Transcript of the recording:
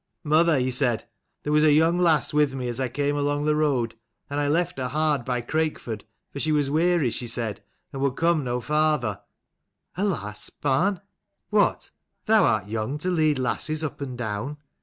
" Mother," he said, "there was a young lass with me as I came along the road : and I left her hard by Crakeford ; for she was weary, she said, and would come no farther. " "A lass, barn? What, thou art young to lead lasses up and down.